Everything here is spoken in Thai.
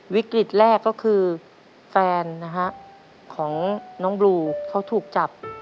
วิกฤตแรกก็คือแฟนนะฮะของน้องบลูเขาถูกจับ